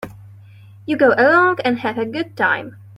You go along and have a good time.